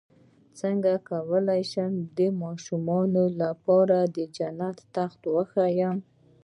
څنګه کولی شم د ماشومانو لپاره د جنت تختونه وښایم